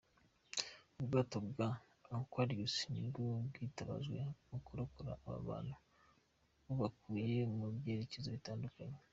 Ubwato bwa “Aquarius” nibwo bwitabajwe mu kurokora aba bantu, bubakuye mu byerekezo bitandatu.